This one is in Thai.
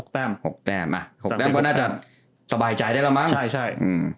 อ๋อ๖แต้มก็น่าจะตะบายใจได้แล้วหรอ